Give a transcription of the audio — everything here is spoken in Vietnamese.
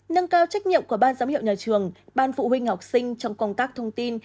nâng cao trách nhiệm của ban giám hiệu nhà trường ban phụ huynh học sinh trong công tác thông tin